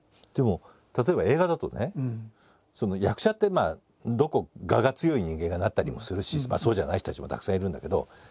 でも例えば映画だとね役者ってどっか我が強い人間がなったりもするしまあそうじゃない人たちもたくさんいるんだけど。